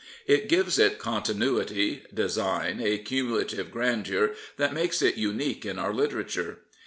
It gives it continuity, design, a cumulative grandeur that make it unique in our litera ao8 Thomas Hardy ture.